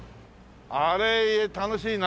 あれ楽しいな。